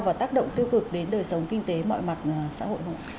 và tác động tiêu cực đến đời sống kinh tế mọi mặt xã hội không ạ